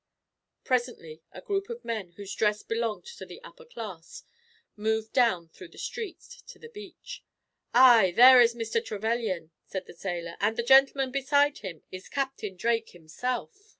Presently a group of men, whose dress belonged to the upper class, moved down through the street to the beach. "Aye! there is Mr. Trevelyan," said the sailor, "and the gentleman beside him is Captain Drake, himself."